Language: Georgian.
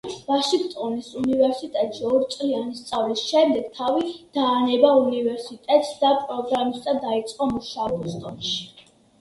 ვაშინგტონის უნივერსიტეტში ორწლიანი სწავლის შემდეგ თავი დაანება უნივერსიტეტს და პროგრამისტად დაიწყო მუშაობა ბოსტონში.